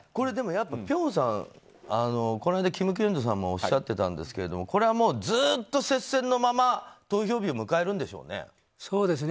辺さん、この間、金慶珠さんもおっしゃってたんですけどこれは、ずっと接戦のまま投票日を迎えるんでしょうね。